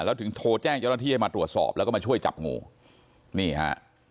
แล้วถึงโทรแจ้งเจ้าหน้าที่ให้มาตรวจสอบแล้วก็มาช่วยจับงูนี่ฮะ